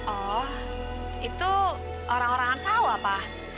oh itu orang orangan sawah pak